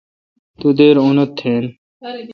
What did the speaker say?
تو دیر اونت تھین۔